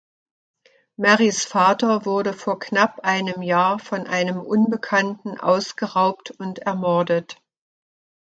Marys Vater wurde vor knapp einem Jahr von einem Unbekannten ausgeraubt und ermordet.